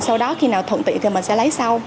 sau đó khi nào thuận tiện thì mình sẽ lấy sau